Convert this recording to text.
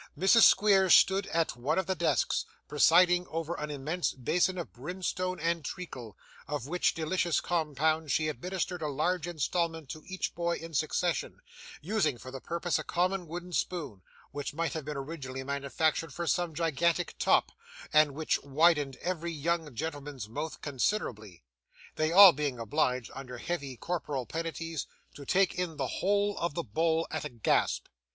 Mrs. Squeers stood at one of the desks, presiding over an immense basin of brimstone and treacle, of which delicious compound she administered a large instalment to each boy in succession: using for the purpose a common wooden spoon, which might have been originally manufactured for some gigantic top, and which widened every young gentleman's mouth considerably: they being all obliged, under heavy corporal penalties, to take in the whole of the bowl at a gasp.